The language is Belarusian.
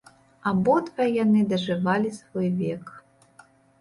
Абодва яны дажывалі свой век.